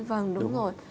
vâng đúng rồi